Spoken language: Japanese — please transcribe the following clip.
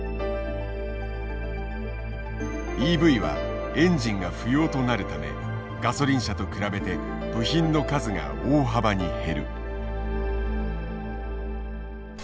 ＥＶはエンジンが不要となるためガソリン車と比べて部品の数が大幅に減る。